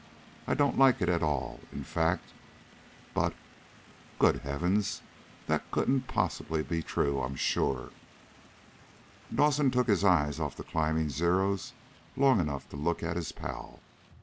I don't like it at all. In fact but, good Heavens, that couldn't possibly be, I'm sure!" Dawson took his eyes off the climbing Zeros long enough to look at his pal.